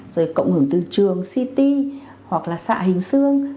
rồi cộng hưởng từ trường ct hoặc là xạ hình xương